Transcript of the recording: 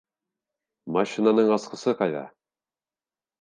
Машинаның асҡысы ҡайҙа?